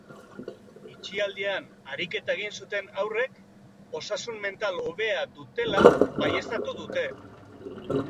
Itxialdian ariketa egin zuten haurrek osasun mental hobea dutela baieztatu dute